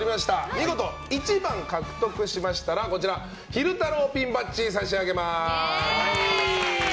見事、１番を獲得しましたら昼太郎ピンバッジを差し上げます。